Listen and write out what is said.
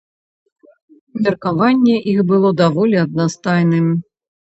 Меркаванне іх было даволі аднастайным.